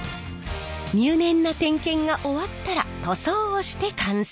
入念な点検が終わったら塗装をして完成！